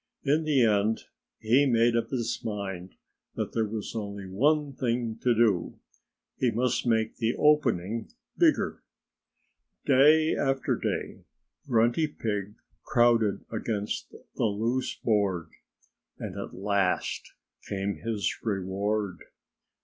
In the end he made up his mind that there was only one thing to do: he must make the opening bigger. Day after day Grunty Pig crowded against the loose board. And at last came his reward.